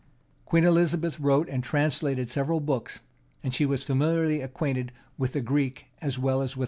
Queen Elizabeth wrote and translated several books: and she was familiarly acquainted with the Greek as well as Latin tongue.